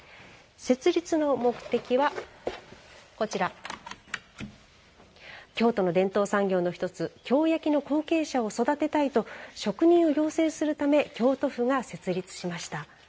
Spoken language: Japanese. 設立の目的は京都の伝統産業の一つ、京焼の後継者を育てたいと職人を養成するため京都府が設立しました。